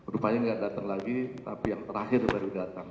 rupanya nggak datang lagi tapi yang terakhir baru datang